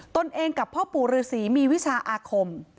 ตนเองกับพ่อปู่ฤษีมีวิชาอาคม